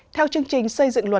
theo chương trình xây dựng luật